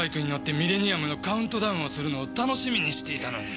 ミレニアムのカウントダウンをするのを楽しみにしていたのに。